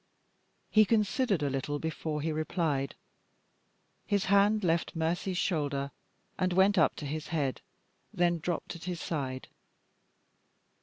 He considered a little before he replied. His hand left Mercy's shoulder, and went up to his head then dropped at his side.